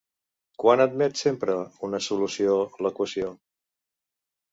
Quan admet sempre una solució l'equació?